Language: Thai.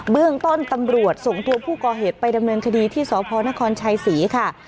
เรื่องต้นตำรวจส่งตัวผู้ก่อเหตุไปดำเนินคดีที่สพนครชัยศรีค่ะ